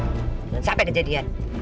jangan sampai kejadian